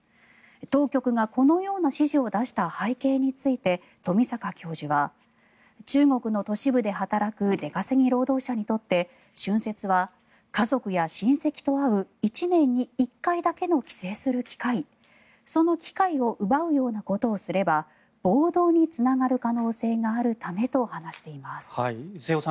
当局がこのような指示を出した背景について富坂教授は、中国の都市部で働く出稼ぎ労働者にとって春節は家族や親戚と会う１年に１回だけの帰省する機会その機会を奪うようなことをすれば暴動につながる可能性があるためと話しています。